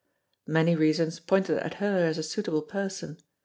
Many reasons pointed at her as a suitable person.